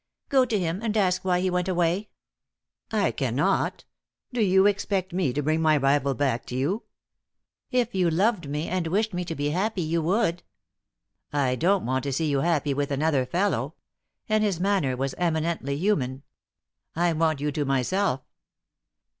"Go to him and ask why he went away." "I cannot. Do you expect me to bring my rival back to you?" "If you loved me and wished me to be happy, you would." "I don't want to see you happy with another fellow," and his manner was eminently human. "I want you to myself."